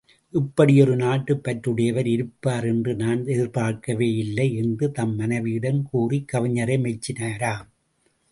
இப்படியொரு நாட்டுப் பற்றுடையவர் இருப்பார் என்று நான் எதிர்பார்க்கவேயில்லை என்று தம் மனைவியிடம் கூறிக் கவிஞரை மெச்சினாராம்.